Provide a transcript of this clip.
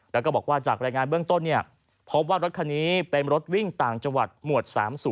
แล้วก็บอกว่าจากรายงานเบื้องต้นพบว่ารถคันนี้เป็นรถวิ่งต่างจังหวัดหมวด๓๐